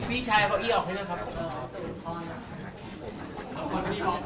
พี่ชายไอ้ออกไว้นี่นะครับ